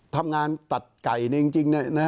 ทำงานตัดไก่